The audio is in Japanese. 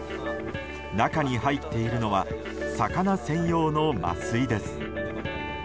中に入っているのは魚専用の麻酔です。